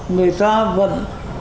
người ta vẫn